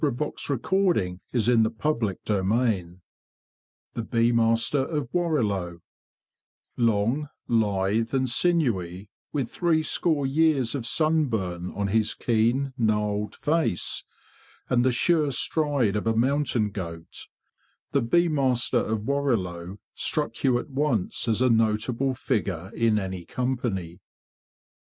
THE BEE MASTER OF WARRILOW CHAPTER I THE BEE MASTER OF WARRILOW ONG, lithe, and sinewy, with three score years of sunburn on his keen, gnarled face, and the sure stride of a mountain goat, the Bee Master of Warrilow struck you at once as a notable figure in any company.